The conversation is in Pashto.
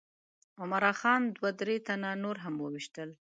عمرا خان دوه درې تنه نور هم وویشتل.